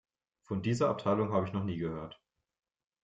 Von dieser Abteilung habe ich noch nie gehört.